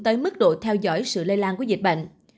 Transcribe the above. tới mức độ theo dõi sự lây lan của dịch bệnh